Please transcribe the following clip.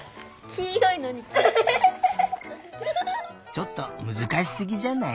ちょっとむずかしすぎじゃない？